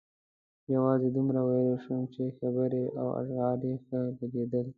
یوازې دومره ویلای شم چې خبرې او اشعار یې ښه لګېدل.